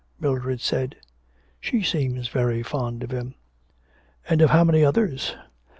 Mildred said: 'She seems very fond of him.' 'And of how many others?